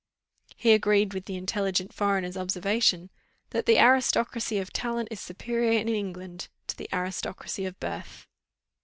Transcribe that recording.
He agreed with the intelligent foreigner's observation, that the aristocracy of talent is superior in England to the aristocracy of birth.